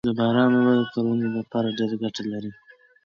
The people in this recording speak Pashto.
د باران اوبه د کروندو لپاره ډېره ګټه لري